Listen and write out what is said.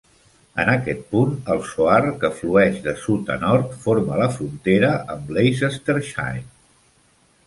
En aquest punt, el Soar, que flueix de sud a nord, forma la frontera amb Leicestershire.